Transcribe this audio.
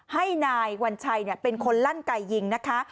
ให้นายวัญชัยเป็นคนลั่นไก่ยิงนะคะ